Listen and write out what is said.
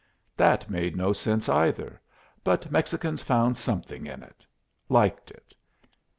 That made no sense either; but Mexicans found something in it. Liked it.